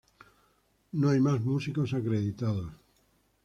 No hay más músicos acreditados.